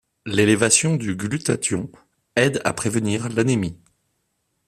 L’élévation du glutathion aide à prévenir l’anémie.